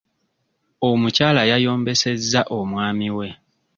Omukyala yayombesezza omwami we.